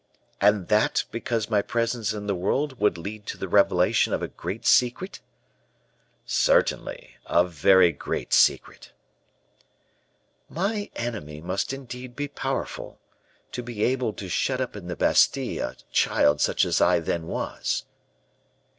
"And that because my presence in the world would lead to the revelation of a great secret?" "Certainly, a very great secret." "My enemy must indeed be powerful, to be able to shut up in the Bastile a child such as I then was."